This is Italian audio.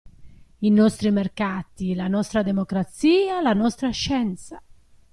I nostri mercati, la nostra democrazia, la nostra scienza.